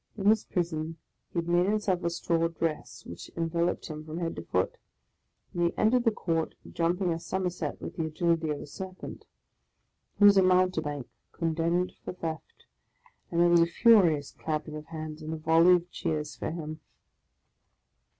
In his prison he had made himself a straw dress, which enveloped him from head to foot; and he entered the court, jumping a somerset with the agility of a serpent. He was a mountebank condemned for theft, and there was a furious clapping of hands, and a volley of cheers, for him.